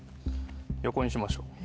横にしましょう。